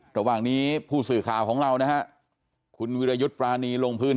ระหว่างนี้ผู้สื่อข่าวของเรานะฮะคุณวิรยุทธ์ปรานีลงพื้น